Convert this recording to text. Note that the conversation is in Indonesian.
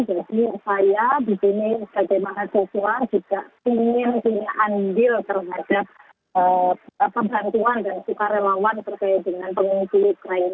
jadi saya di dunia kajemahasusua juga ingin ingin ambil terhadap pembantuan dan sukarelawan terkait dengan pengungsi ukraina